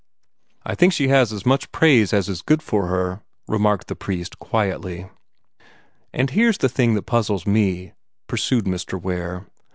"I think she has as much praise as is good for her," remarked the priest, quietly. "And here's a thing that puzzles me," pursued Mr. Ware.